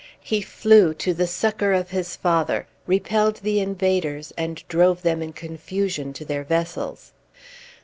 He flew to the succor of his father, repelled the invaders, and drove them in confusion to their vessels.